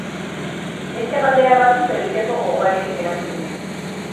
Beste galdera batzuk egiteko gogoarekin geratu ginen.